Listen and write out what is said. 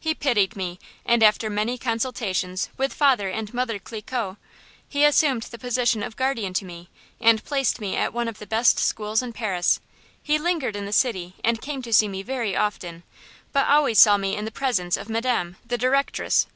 He pitied me, and after many consultations with Father and Mother Cliquot, he assumed the position of guardian to me and placed me at one of the best schools in Paris. He lingered in the city and came to see me very often; but always saw me in the presence of Madame, the directress.